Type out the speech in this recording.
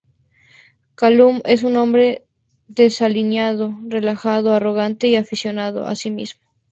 Calum es un hombre desaliñado, relajado, arrogante y aficionado a sí mismo.